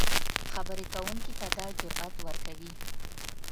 خبرې کوونکي ته دا جرات ورکوي